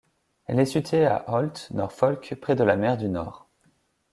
Elle est située à Holt, Norfolk, près de la mer du Nord.